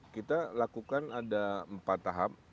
kita lakukan ada empat tahap